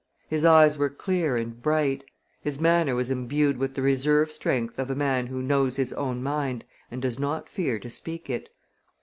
His eyes were clear and bright. His manner was imbued with the reserve strength of a man who knows his own mind and does not fear to speak it.